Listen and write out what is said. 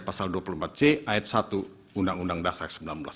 pasal dua puluh empat c ayat satu undang undang dasar seribu sembilan ratus empat puluh